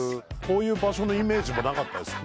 こういう場所のイメージもなかったです